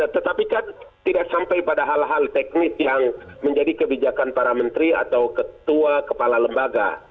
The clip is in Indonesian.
tetapi kan tidak sampai pada hal hal teknis yang menjadi kebijakan para menteri atau ketua kepala lembaga